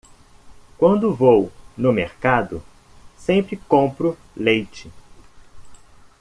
Quando vou no mercado, sempre compro leite.